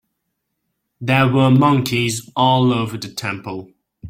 There were monkeys all over the temple.